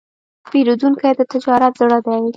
پیرودونکی د تجارت زړه دی.